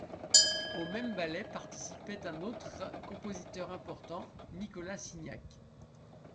Au même ballet participait un autre compositeur important, Nicolas Signac.